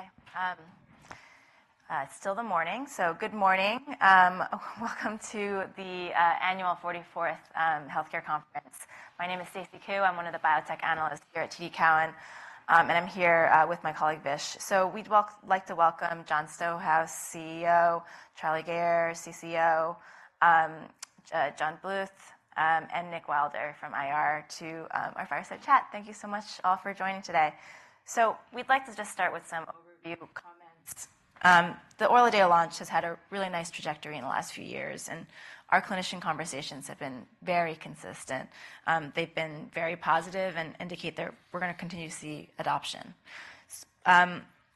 Okay, it's still the morning, so good morning. Welcome to the 44th annual healthcare conference. My name is Stacy Ku. I'm one of the biotech analysts here at TD Cowen, and I'm here with my colleague Vish. So we'd like to welcome Jon Stonehouse, CEO; Charlie Gayer, CCO; John Bluth, and Nick Wilder from IR to our Fireside Chat. Thank you so much, all, for joining today. So we'd like to just start with some overview comments. The ORLADEYO launch has had a really nice trajectory in the last few years, and our clinician conversations have been very consistent. They've been very positive and indicate that we're gonna continue to see adoption.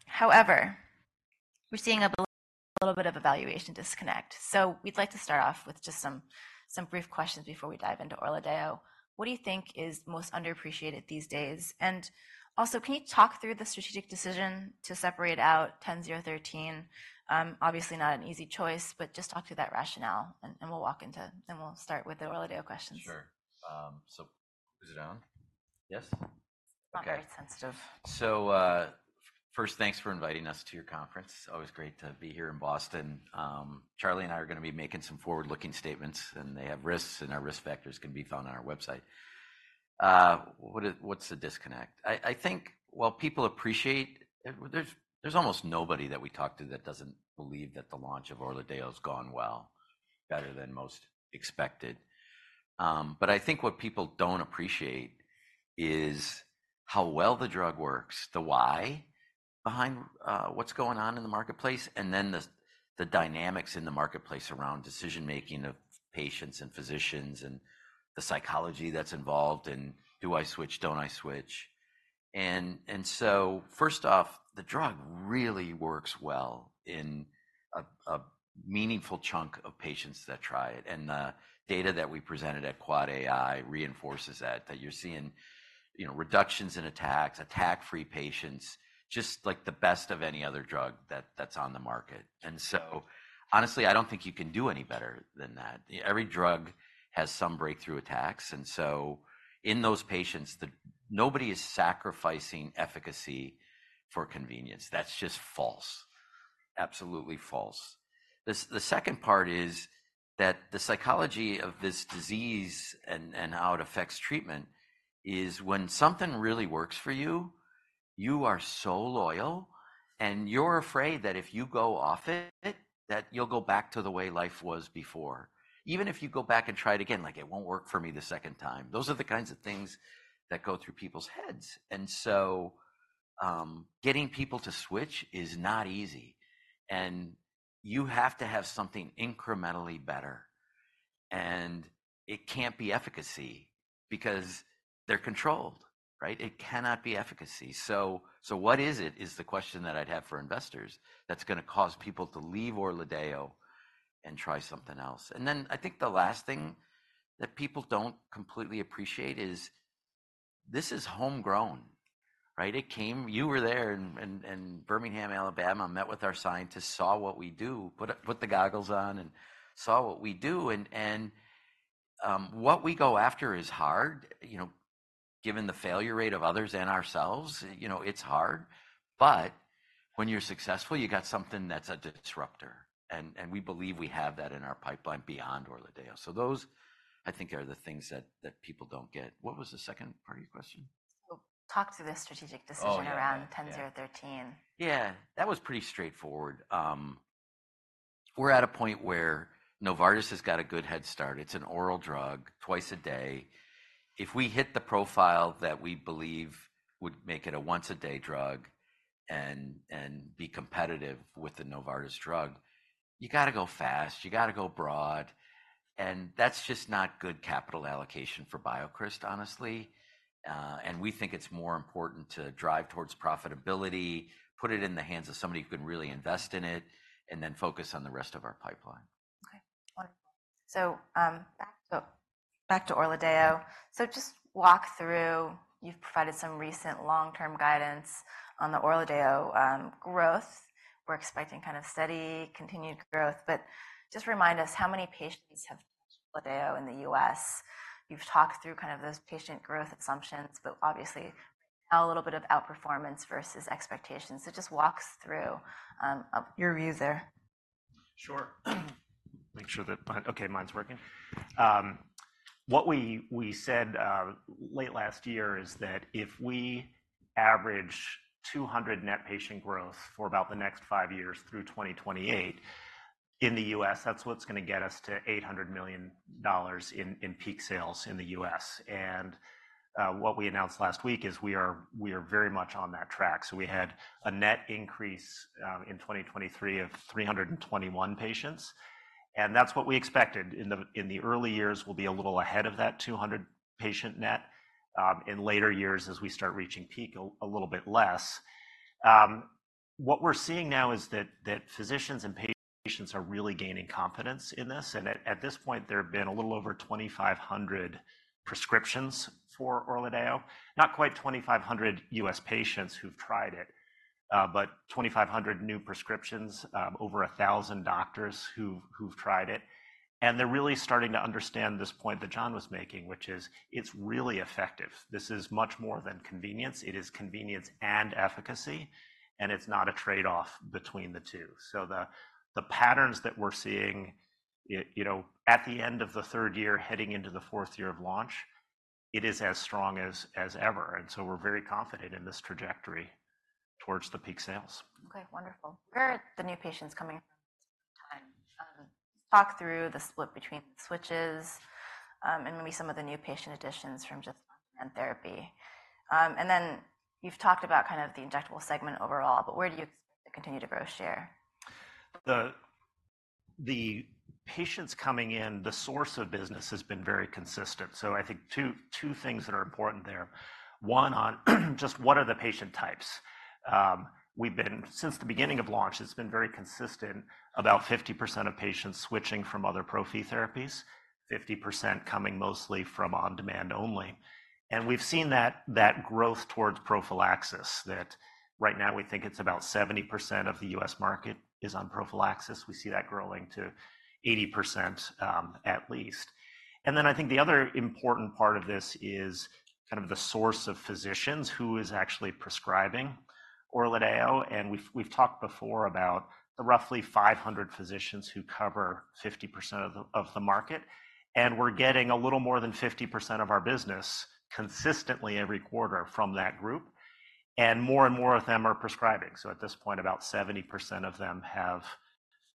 However, we're seeing a little bit of evaluation disconnect. So we'd like to start off with just some brief questions before we dive into ORLADEYO. What do you think is most underappreciated these days? And also, can you talk through the strategic decision to separate out BCX10013? Obviously not an easy choice, but just talk through that rationale, and, and we'll walk into and we'll start with the ORLADEYO questions. Sure. So is it on? Yes? Okay. Not very sensitive. So, first, thanks for inviting us to your conference. Always great to be here in Boston. Charlie and I are gonna be making some forward-looking statements, and they have risks, and our risk factors can be found on our website. What, what's the disconnect? I think while people appreciate it, there's almost nobody that we talk to that doesn't believe that the launch of ORLADEYO has gone well, better than most expected. But I think what people don't appreciate is how well the drug works, the why behind what's going on in the marketplace, and then the dynamics in the marketplace around decision-making of patients and physicians and the psychology that's involved in, "Do I switch? Don't I switch?" So first off, the drug really works well in a meaningful chunk of patients that try it. The data that we presented at AI reinforces that, that you're seeing, you know, reductions in attacks, attack-free patients, just like the best of any other drug that's on the market. So, honestly, I don't think you can do any better than that. Yeah, every drug has some breakthrough attacks. So in those patients, then nobody is sacrificing efficacy for convenience. That's just false. Absolutely false. The second part is that the psychology of this disease and how it affects treatment is when something really works for you, you are so loyal, and you're afraid that if you go off it, that you'll go back to the way life was before. Even if you go back and try it again, like, "It won't work for me the second time." Those are the kinds of things that go through people's heads. And so, getting people to switch is not easy, and you have to have something incrementally better. And it can't be efficacy because they're controlled, right? It cannot be efficacy. So what is it, is the question that I'd have for investors that's gonna cause people to leave ORLADEYO and try something else? And then I think the last thing that people don't completely appreciate is, "This is homegrown," right? It came. You were there in Birmingham, Alabama. Met with our scientists, saw what we do, put the goggles on, and saw what we do. And what we go after is hard, you know, given the failure rate of others and ourselves. You know, it's hard. But when you're successful, you got something that's a disruptor, and we believe we have that in our pipeline beyond ORLADEYO. Those, I think, are the things that people don't get. What was the second part of your question? Talk through the strategic decision around BCX10013. Oh. Yeah. That was pretty straightforward. We're at a point where Novartis has got a good head start. It's an oral drug, twice a day. If we hit the profile that we believe would make it a once-a-day drug and, and be competitive with the Novartis drug, you gotta go fast. You gotta go broad. And that's just not good capital allocation for BioCryst, honestly. And we think it's more important to drive towards profitability, put it in the hands of somebody who can really invest in it, and then focus on the rest of our pipeline. Okay. Wonderful. So, back to ORLADEYO. So just walk through you've provided some recent long-term guidance on the ORLADEYO, growth. We're expecting kind of steady, continued growth. But just remind us, how many patients have touched ORLADEYO in the U.S.? You've talked through kind of those patient growth assumptions, but obviously, right now, a little bit of outperformance versus expectations. So just walk us through, your view there. Sure. Make sure that mine's okay, mine's working. What we, we said late last year is that if we average 200 net patient growth for about the next five years through 2028 in the US, that's what's gonna get us to $800 million in, in peak sales in the US. What we announced last week is we are we are very much on that track. So we had a net increase in 2023 of 321 patients. And that's what we expected. In the in the early years, we'll be a little ahead of that 200 patient net; in later years as we start reaching peak, a, a little bit less. What we're seeing now is that, that physicians and patients are really gaining confidence in this. And at this point, there have been a little over 2,500 prescriptions for ORLADEYO, not quite 2,500 U.S. patients who've tried it, but 2,500 new prescriptions, over 1,000 doctors who've tried it. And they're really starting to understand this point that John was making, which is, "It's really effective. This is much more than convenience. It is convenience and efficacy, and it's not a trade-off between the two." So the patterns that we're seeing, you know, at the end of the third year, heading into the fourth year of launch, it is as strong as ever. And so we're very confident in this trajectory towards the peak sales. Okay. Wonderful. Where are the new patients coming from this time? Talk through the split between the switches, and maybe some of the new patient additions from just on-demand therapy. And then you've talked about kind of the injectable segment overall, but where do you expect the continued to grow share? The patients coming in, the source of business has been very consistent. So I think two things that are important there. One, on just what are the patient types? We've been since the beginning of launch, it's been very consistent, about 50% of patients switching from other prophy therapies, 50% coming mostly from on-demand only. And we've seen that growth towards prophylaxis, that right now, we think it's about 70% of the U.S. market is on prophylaxis. We see that growing to 80%, at least. And then I think the other important part of this is kind of the source of physicians, who is actually prescribing ORLADEYO. And we've talked before about the roughly 500 physicians who cover 50% of the market. And we're getting a little more than 50% of our business consistently every quarter from that group. And more and more of them are prescribing. So at this point, about 70% of them have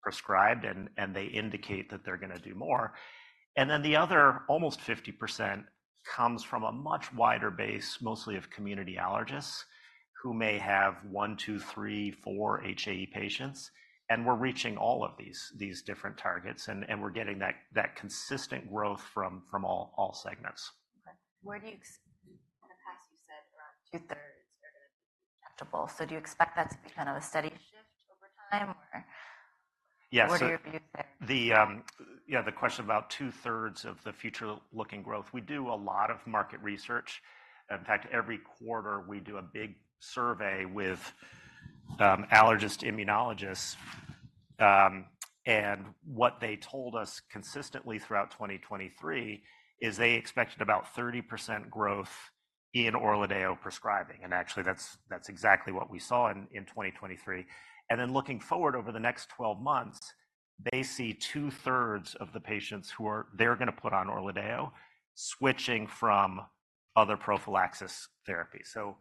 prescribed, and they indicate that they're gonna do more. And then the other almost 50% comes from a much wider base, mostly of community allergists who may have one, two, three, four HAE patients. And we're reaching all of these different targets, and we're getting that consistent growth from all segments. Okay. Where do you expect in the past, you said around two-thirds are gonna be injectable. So do you expect that to be kind of a steady shift over time, or? Yeah. So. What are your views there? Yeah, the question about two-thirds of the future-looking growth. We do a lot of market research. In fact, every quarter, we do a big survey with allergist-immunologists. And what they told us consistently throughout 2023 is they expected about 30% growth in ORLADEYO prescribing. And actually, that's exactly what we saw in 2023. And then looking forward over the next 12 months, they see two-thirds of the patients who are they're gonna put on ORLADEYO switching from other prophylaxis therapy. So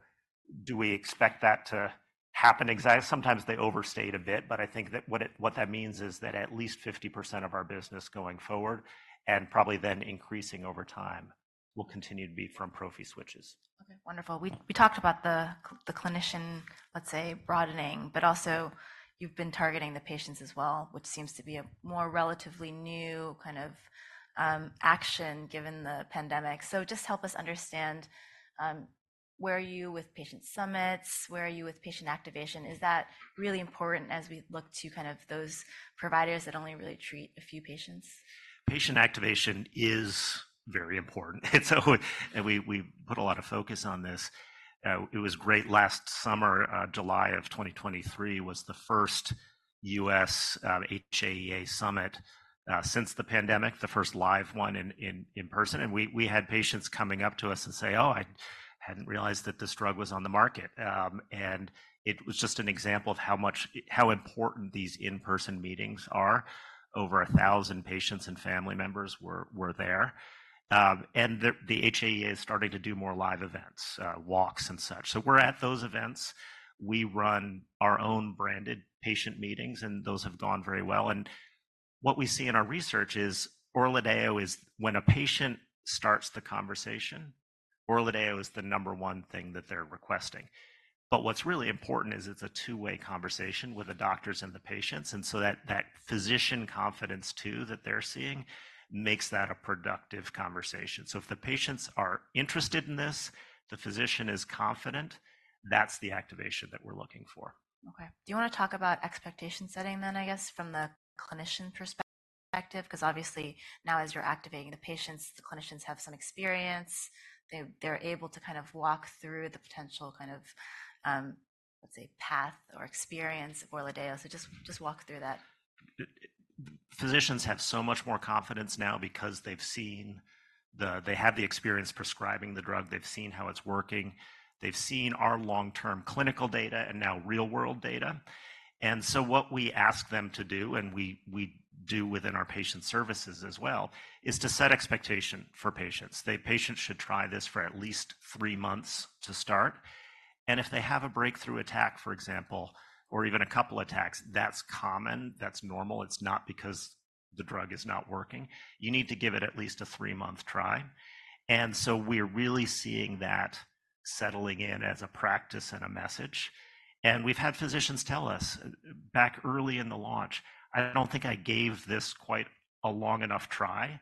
do we expect that to happen exactly? Sometimes they overstate a bit, but I think that what that means is that at least 50% of our business going forward and probably then increasing over time will continue to be from prophy switches. Okay. Wonderful. We talked about the clinician, let's say, broadening, but also you've been targeting the patients as well, which seems to be a more relatively new kind of action given the pandemic. So just help us understand, where are you with patient summits? Where are you with patient activation? Is that really important as we look to kind of those providers that only really treat a few patients? Patient activation is very important. It's so and we put a lot of focus on this. It was great last summer. July of 2023 was the first U.S. HAEA summit since the pandemic, the first live one in person. We had patients coming up to us and say, "Oh, I hadn't realized that this drug was on the market," and it was just an example of how much, how important these in-person meetings are. Over 1,000 patients and family members were there. And the HAEA is starting to do more live events, walks and such. So we're at those events. We run our own branded patient meetings, and those have gone very well. And what we see in our research is ORLADEYO. When a patient starts the conversation, ORLADEYO is the number one thing that they're requesting. But what's really important is it's a two-way conversation with the doctors and the patients. And so that physician confidence too that they're seeing makes that a productive conversation. So if the patients are interested in this, the physician is confident, that's the activation that we're looking for. Okay. Do you wanna talk about expectation setting then, I guess, from the clinician perspective? 'Cause obviously, now as you're activating the patients, the clinicians have some experience. They, they're able to kind of walk through the potential kind of, let's say, path or experience of ORLADEYO. So just, just walk through that. Physicians have so much more confidence now because they've seen. They have the experience prescribing the drug. They've seen how it's working. They've seen our long-term clinical data and now real-world data. And so what we ask them to do, and we do within our patient services as well, is to set expectation for patients. The patients should try this for at least three months to start. And if they have a breakthrough attack, for example, or even a couple attacks, that's common. That's normal. It's not because the drug is not working. You need to give it at least a three-month try. And so we're really seeing that settling in as a practice and a message. And we've had physicians tell us, back early in the launch, "I don't think I gave this quite a long enough try."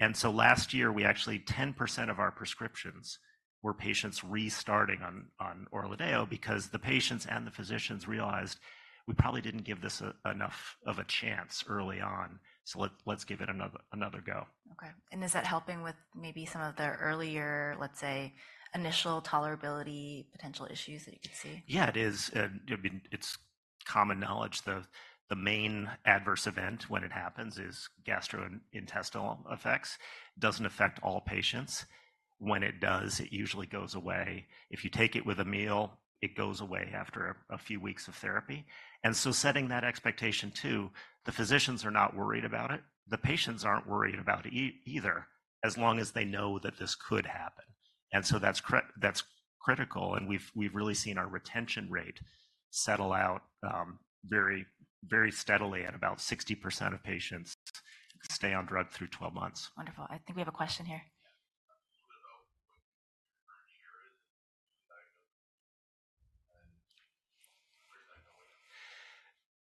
And so last year, we actually 10% of our prescriptions were patients restarting on, on ORLADEYO because the patients and the physicians realized, "We probably didn't give this enough of a chance early on. So let's, let's give it another, another go. Okay. Is that helping with maybe some of the earlier, let's say, initial tolerability potential issues that you could see? Yeah. It is. I mean, it's common knowledge. The main adverse event when it happens is gastrointestinal effects. It doesn't affect all patients. When it does, it usually goes away. If you take it with a meal, it goes away after a few weeks of therapy. And so setting that expectation too, the physicians are not worried about it. The patients aren't worried about it either as long as they know that this could happen. And so that's critical. And we've really seen our retention rate settle out very, very steadily at about 60% of patients stay on drug through 12 months. Wonderful. I think we have a question here.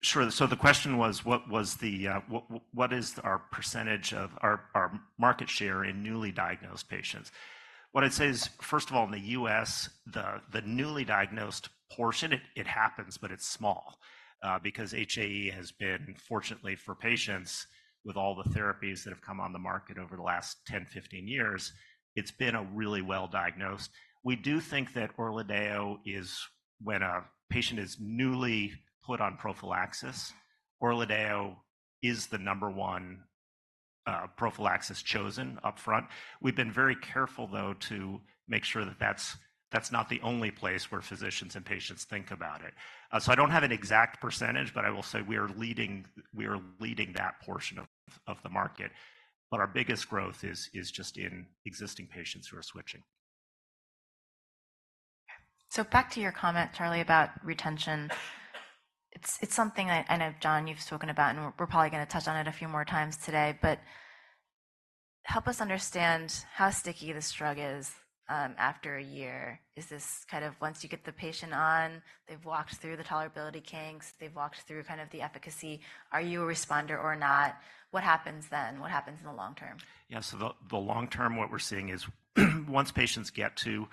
Sure. So the question was, what is our percentage of our market share in newly diagnosed patients? What I'd say is, first of all, in the U.S., the newly diagnosed portion, it happens, but it's small, because HAE has been, fortunately for patients with all the therapies that have come on the market over the last 10, 15 years, it's been a really well-diagnosed. We do think that ORLADEYO is when a patient is newly put on prophylaxis, ORLADEYO is the number one prophylaxis chosen up front. We've been very careful, though, to make sure that that's not the only place where physicians and patients think about it. So I don't have an exact percentage, but I will say we are leading that portion of the market. But our biggest growth is just in existing patients who are switching. Okay. So back to your comment, Charlie, about retention. It's something that I know, John, you've spoken about, and we're probably gonna touch on it a few more times today. But help us understand how sticky this drug is after a year. Is this kind of once you get the patient on, they've walked through the tolerability kinks, they've walked through kind of the efficacy, are you a responder or not? What happens then? What happens in the long term? Yeah. So the long term, what we're seeing is once patients get to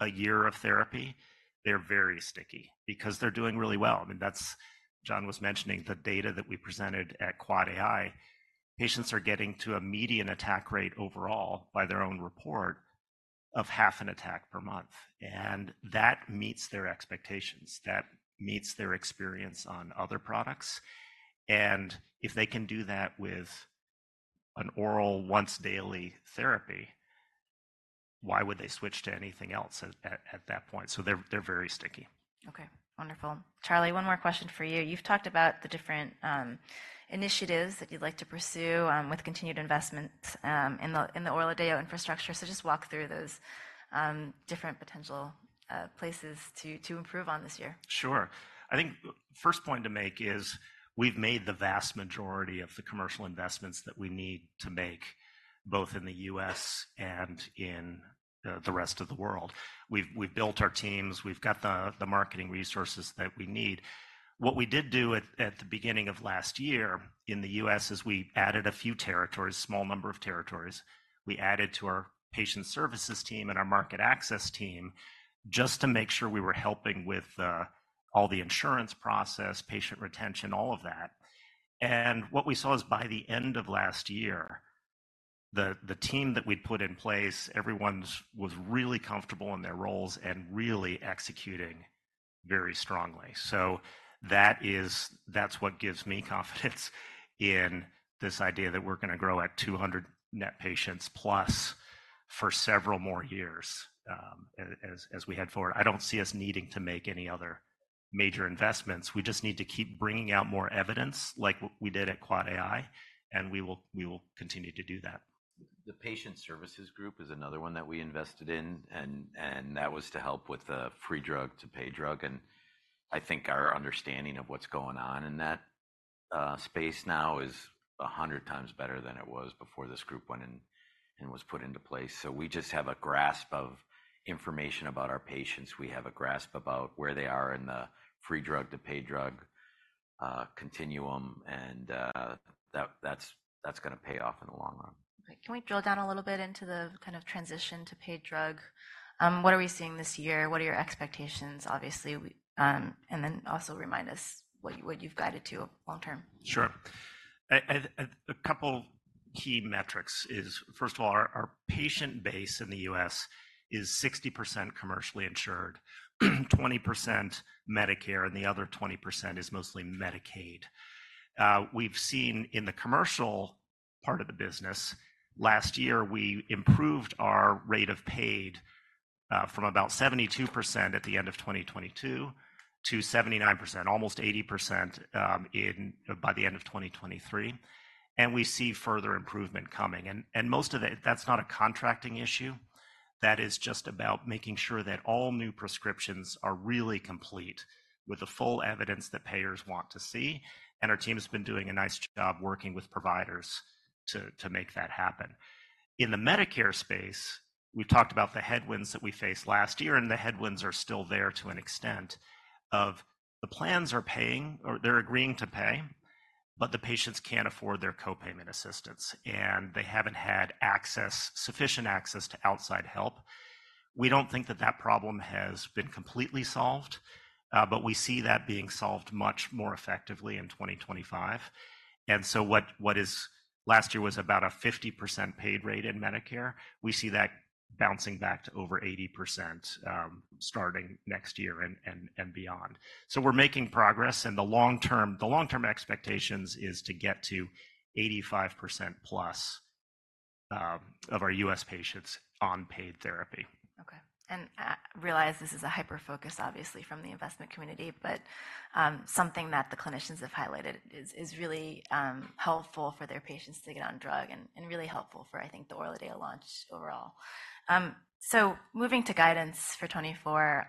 a year of therapy, they're very sticky because they're doing really well. I mean, that's John was mentioning the data that we presented at QuadAI. Patients are getting to a median attack rate overall by their own report of half an attack per month. And that meets their expectations. That meets their experience on other products. And if they can do that with an oral once-daily therapy, why would they switch to anything else at that point? So they're very sticky. Okay. Wonderful. Charlie, one more question for you. You've talked about the different initiatives that you'd like to pursue, with continued investments, in the ORLADEYO infrastructure. So just walk through those, different potential places to improve on this year. Sure. I think the first point to make is we've made the vast majority of the commercial investments that we need to make both in the U.S. and in the rest of the world. We've built our teams. We've got the marketing resources that we need. What we did do at the beginning of last year in the U.S. is we added a few territories, small number of territories. We added to our patient services team and our market access team just to make sure we were helping with all the insurance process, patient retention, all of that. What we saw is by the end of last year, the team that we'd put in place, everyone's was really comfortable in their roles and really executing very strongly. So that is, that's what gives me confidence in this idea that we're gonna grow at 200+ net patients for several more years, as we head forward. I don't see us needing to make any other major investments. We just need to keep bringing out more evidence like what we did at QuadAI. And we will continue to do that. The patient services group is another one that we invested in, and that was to help with the free drug to pay drug. And I think our understanding of what's going on in that space now is 100 times better than it was before this group went in and was put into place. So we just have a grasp of information about our patients. We have a grasp about where they are in the free drug to pay drug continuum. And that's gonna pay off in the long run. Okay. Can we drill down a little bit into the kind of transition to paid drug? What are we seeing this year? What are your expectations, obviously? And then also remind us what you've guided to long term. Sure. A couple key metrics is, first of all, our patient base in the U.S. is 60% commercially insured, 20% Medicare, and the other 20% is mostly Medicaid. We've seen in the commercial part of the business last year, we improved our rate of paid, from about 72% at the end of 2022 to 79%, almost 80%, in by the end of 2023. And we see further improvement coming. And most of that, that's not a contracting issue. That is just about making sure that all new prescriptions are really complete with the full evidence that payers want to see. And our team's been doing a nice job working with providers to make that happen. In the Medicare space, we've talked about the headwinds that we faced last year, and the headwinds are still there to an extent, the plans are paying or they're agreeing to pay, but the patients can't afford their copayment assistance, and they haven't had access, sufficient access to outside help. We don't think that problem has been completely solved, but we see that being solved much more effectively in 2025. And so last year was about a 50% paid rate in Medicare. We see that bouncing back to over 80%, starting next year and beyond. So we're making progress. And the long term expectations is to get to 85%+, of our U.S. patients on paid therapy. Okay. And realize this is a hyperfocus, obviously, from the investment community, but something that the clinicians have highlighted is really helpful for their patients to get on drug and really helpful for, I think, the ORLADEYO launch overall. So moving to guidance for 2024,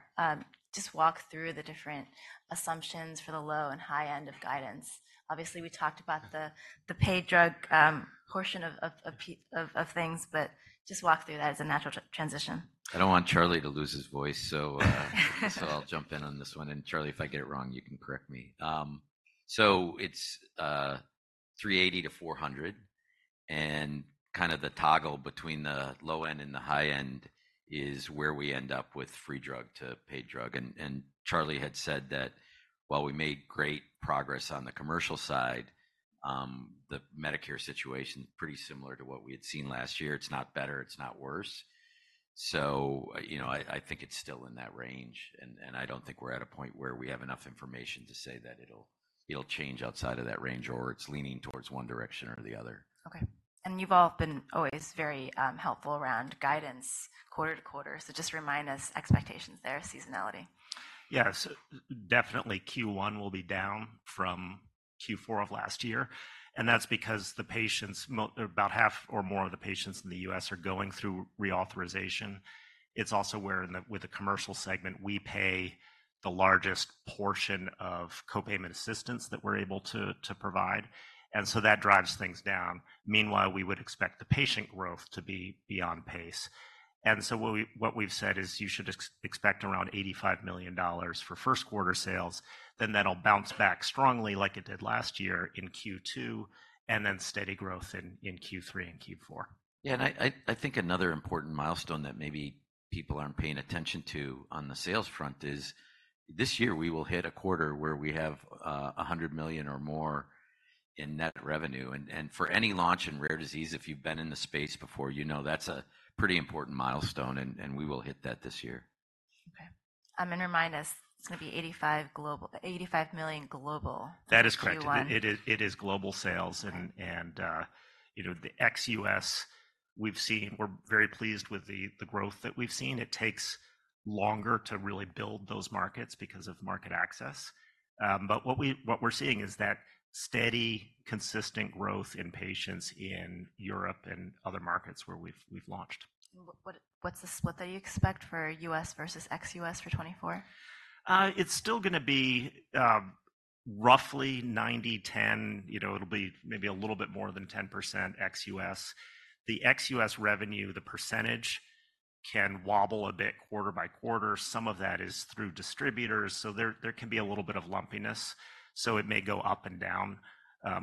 just walk through the different assumptions for the low and high end of guidance. Obviously, we talked about the paid drug portion of things, but just walk through that as a natural transition. I don't want Charlie to lose his voice, so I'll jump in on this one. And Charlie, if I get it wrong, you can correct me. So it's 380-400. And kind of the toggle between the low end and the high end is where we end up with free drug to paid drug. And Charlie had said that while we made great progress on the commercial side, the Medicare situation's pretty similar to what we had seen last year. It's not better. It's not worse. So, you know, I think it's still in that range. And I don't think we're at a point where we have enough information to say that it'll change outside of that range or it's leaning towards one direction or the other. Okay. And you've all been always very helpful around guidance quarter to quarter. So just remind us expectations there, seasonality. Yeah. So definitely Q1 will be down from Q4 of last year. And that's because more about half or more of the patients in the US are going through reauthorization. It's also where in the with the commercial segment, we pay the largest portion of copayment assistance that we're able to provide. And so that drives things down. Meanwhile, we would expect the patient growth to be beyond pace. And so what we've said is you should expect around $85 million for first quarter sales. Then that'll bounce back strongly like it did last year in Q2 and then steady growth in Q3 and Q4. Yeah. And I think another important milestone that maybe people aren't paying attention to on the sales front is this year, we will hit a quarter where we have $100 million or more in net revenue. And for any launch in rare disease, if you've been in the space before, you know that's a pretty important milestone. And we will hit that this year. Okay. Remind us, it's gonna be $85 million global Q1. That is correct. It is global sales. And, you know, the ex-US, we've seen. We're very pleased with the growth that we've seen. It takes longer to really build those markets because of market access. But what we're seeing is that steady, consistent growth in patients in Europe and other markets where we've launched. What's the split that you expect for U.S. versus ex-U.S. for 2024? It's still gonna be, roughly 90/10. You know, it'll be maybe a little bit more than 10% ex-US. The ex-US revenue, the percentage can wobble a bit quarter by quarter. Some of that is through distributors. So there can be a little bit of lumpiness. So it may go up and down,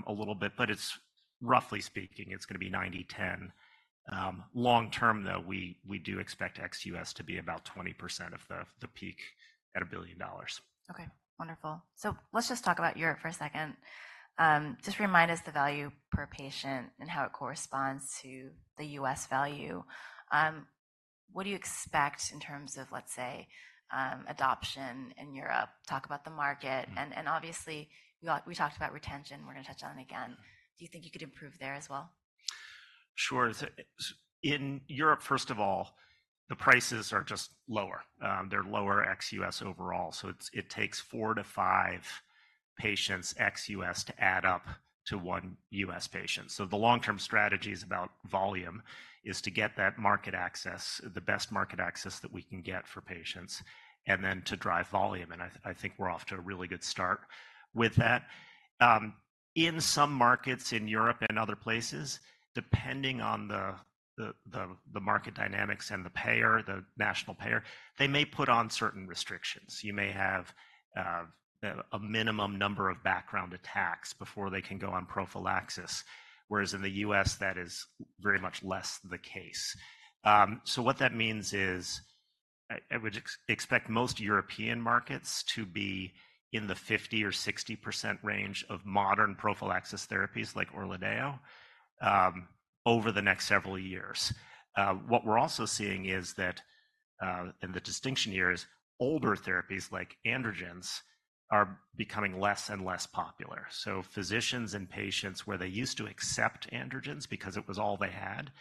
a little bit. But it's roughly speaking, it's gonna be 90/10. Long term, though, we do expect ex-US to be about 20% of the peak at $1 billion. Okay. Wonderful. So let's just talk about Europe for a second. Just remind us the value per patient and how it corresponds to the US value. What do you expect in terms of, let's say, adoption in Europe? Talk about the market. And, and obviously, you all we talked about retention. We're gonna touch on it again. Do you think you could improve there as well? Sure. So in Europe, first of all, the prices are just lower. They're lower ex-U.S. overall. So it takes 4-5 patients ex-U.S. to add up to 1 U.S. patient. So the long-term strategy is about volume, to get that market access, the best market access that we can get for patients, and then to drive volume. And I think we're off to a really good start with that. In some markets in Europe and other places, depending on the market dynamics and the payer, the national payer, they may put on certain restrictions. You may have a minimum number of background attacks before they can go on prophylaxis, whereas in the U.S., that is very much less the case. So what that means is I would expect most European markets to be in the 50%-60% range of modern prophylaxis therapies like ORLADEYO, over the next several years. What we're also seeing is that, and the distinction here is older therapies like androgens are becoming less and less popular. So physicians and patients where they used to accept androgens because it was all they had,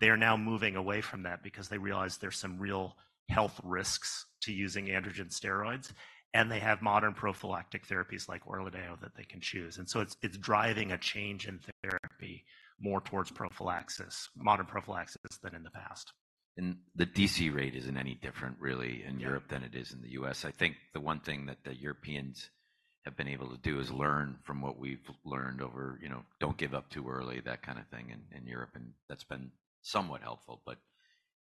they are now moving away from that because they realize there's some real health risks to using androgen steroids. And they have modern prophylactic therapies like ORLADEYO that they can choose. And so it's driving a change in therapy more towards prophylaxis, modern prophylaxis than in the past. The DC rate isn't any different, really, in Europe than it is in the U.S. I think the one thing that the Europeans have been able to do is learn from what we've learned over, you know, don't give up too early, that kind of thing in Europe. And that's been somewhat helpful, but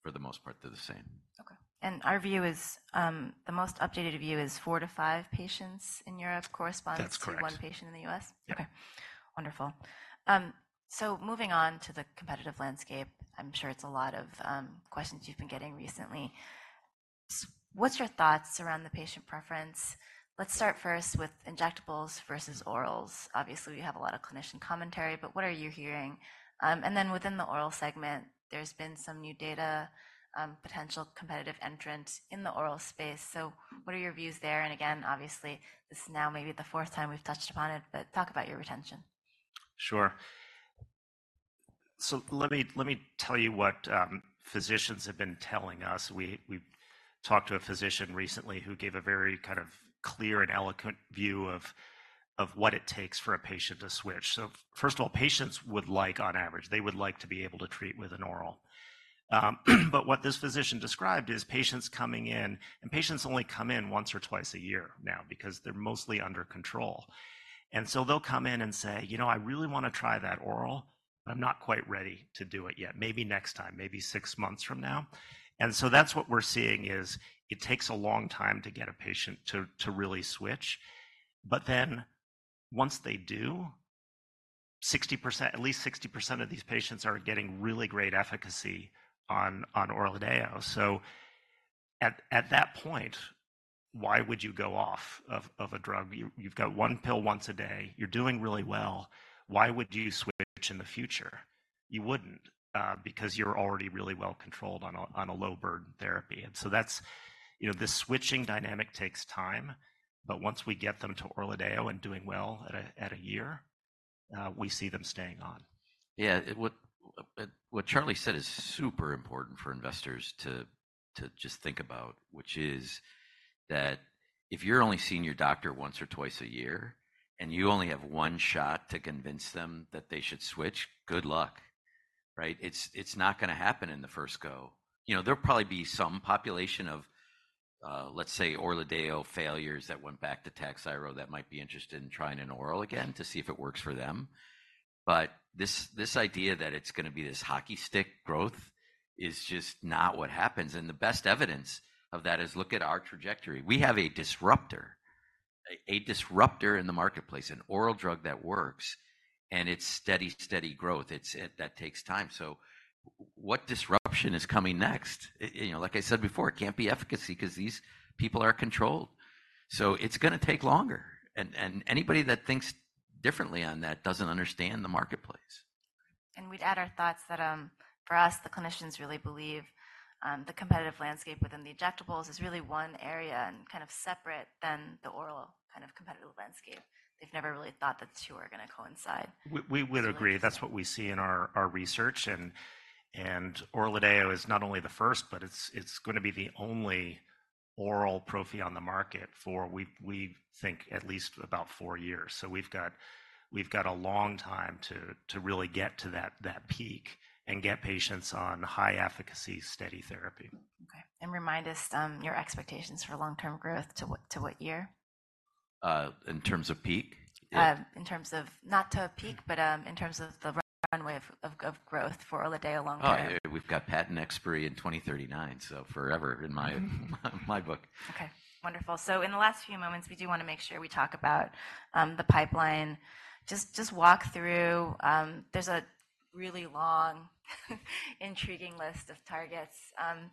for the most part, they're the same. Okay. Our view is, the most updated view is 4-5 patients in Europe corresponds to one patient in the U.S.? That's correct. Yeah. Okay. Wonderful. So moving on to the competitive landscape, I'm sure it's a lot of questions you've been getting recently. What's your thoughts around the patient preference? Let's start first with injectables versus orals. Obviously, we have a lot of clinician commentary, but what are you hearing? And then within the oral segment, there's been some new data, potential competitive entrant in the oral space. So what are your views there? And again, obviously, this is now maybe the fourth time we've touched upon it, but talk about your retention. Sure. So let me tell you what physicians have been telling us. We talked to a physician recently who gave a very kind of clear and eloquent view of what it takes for a patient to switch. So first of all, patients would like on average, they would like to be able to treat with an oral. But what this physician described is patients coming in and patients only come in once or twice a year now because they're mostly under control. And so they'll come in and say, "You know, I really wanna try that oral, but I'm not quite ready to do it yet. Maybe next time, maybe six months from now." And so that's what we're seeing is it takes a long time to get a patient to really switch. But then once they do, at least 60% of these patients are getting really great efficacy on ORLADEYO. So at that point, why would you go off of a drug? You've got one pill once a day. You're doing really well. Why would you switch in the future? You wouldn't, because you're already really well controlled on a low burden therapy. And so that's, you know, this switching dynamic takes time. But once we get them to ORLADEYO and doing well at a year, we see them staying on. Yeah. What Charlie said is super important for investors to just think about, which is that if you're only seeing your doctor once or twice a year and you only have one shot to convince them that they should switch, good luck, right? It's not gonna happen in the first go. You know, there'll probably be some population of, let's say ORLADEYO failures that went back to TAKHZYRO that might be interested in trying an oral again to see if it works for them. But this idea that it's gonna be this hockey stick growth is just not what happens. The best evidence of that is look at our trajectory. We have a disruptor, a disruptor in the marketplace, an oral drug that works, and it's steady, steady growth. It's it that takes time. So what disruption is coming next? You know, like I said before, it can't be efficacy 'cause these people are controlled. So it's gonna take longer. And anybody that thinks differently on that doesn't understand the marketplace. We'd add our thoughts that, for us, the clinicians really believe, the competitive landscape within the injectables is really one area and kind of separate than the oral kind of competitive landscape. They've never really thought that the two are gonna coincide. We would agree. That's what we see in our research. And ORLADEYO is not only the first, but it's gonna be the only oral prophy on the market for we think at least about four years. So we've got a long time to really get to that peak and get patients on high efficacy steady therapy. Okay. Remind us, your expectations for long-term growth to what to what year? in terms of peak? in terms of not to a peak, but in terms of the runway of growth for ORLADEYO long-term. Oh, yeah. We've got patent expiry in 2039, so forever in my book. Okay. Wonderful. So in the last few moments, we do want to make sure we talk about the pipeline. Just walk through. There's a really long, intriguing list of targets,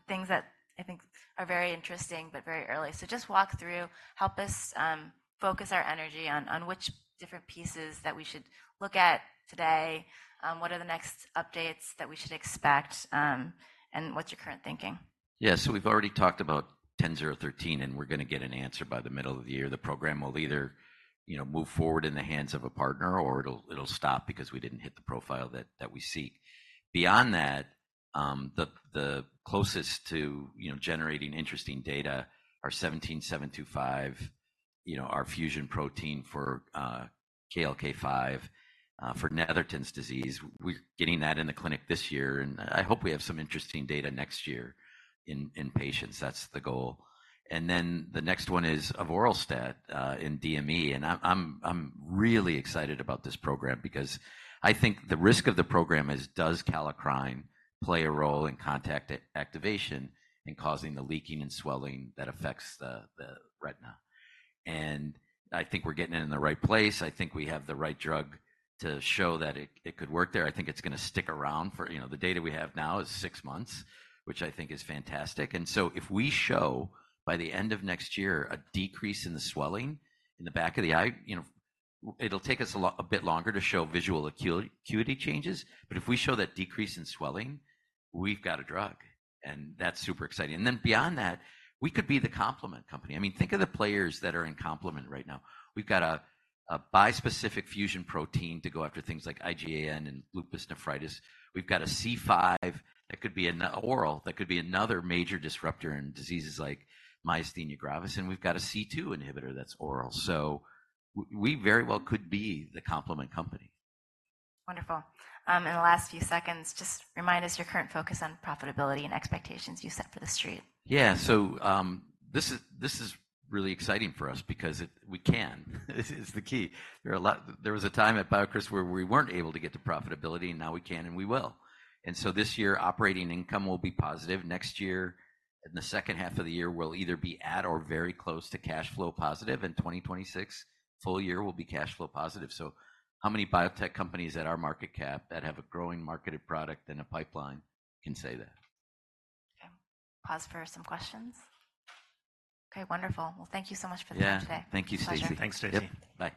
things that I think are very interesting but very early. So just walk through, help us focus our energy on which different pieces that we should look at today, what are the next updates that we should expect, and what's your current thinking? Yeah. So we've already talked about BCX10013, and we're gonna get an answer by the middle of the year. The program will either, you know, move forward in the hands of a partner or it'll, it'll stop because we didn't hit the profile that, that we seek. Beyond that, the, the closest to, you know, generating interesting data are BCX17725, you know, our fusion protein for KLK5, for Netherton's disease. We're getting that in the clinic this year. And I hope we have some interesting data next year in, in patients. That's the goal. And then the next one is avoralstat in DME. And I'm, I'm, I'm really excited about this program because I think the risk of the program is does kallikrein play a role in contact activation and causing the leaking and swelling that affects the, the retina? And I think we're getting it in the right place. I think we have the right drug to show that it could work there. I think it's gonna stick around, you know, the data we have now is six months, which I think is fantastic. And so if we show by the end of next year a decrease in the swelling in the back of the eye, you know, it'll take us a lot a bit longer to show visual acuity changes. But if we show that decrease in swelling, we've got a drug. And that's super exciting. And then beyond that, we could be the complement company. I mean, think of the players that are in complement right now. We've got a bispecific fusion protein to go after things like IgAN and lupus nephritis. We've got a C5 that could be an oral that could be another major disruptor in diseases like myasthenia gravis. We've got a C2 inhibitor that's oral. So we very well could be the complement company. Wonderful. In the last few seconds, just remind us your current focus on profitability and expectations you set for the street. Yeah. So, this is really exciting for us because we can. It's the key. There was a time at BioCryst where we weren't able to get to profitability. Now we can and we will. And so this year, operating income will be positive. Next year, in the second half of the year, we'll either be at or very close to cash flow positive. In 2026, full year will be cash flow positive. So how many biotech companies at our market cap that have a growing marketed product and a pipeline can say that. Okay. Pause for some questions. Okay. Wonderful. Well, thank you so much for the time today. Yeah. Thank you, Stacy. Pleasure. Thanks, Stacy. Yep. Bye.